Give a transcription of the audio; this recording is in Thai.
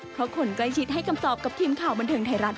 เพราะคนใกล้ชิดให้คำตอบกับทีมข่าวบันเทิงไทยรัฐ